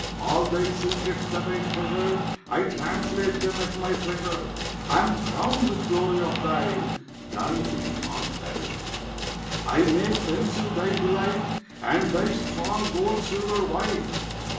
All thy secrets that I treasure I translate them at my pleasure. I am crowned with glory of thine. Thine, not thine. I make pensive thy delight, And thy strong gold silver white.